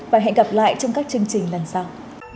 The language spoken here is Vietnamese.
và hẹn gặp lại trong các chương trình lần sau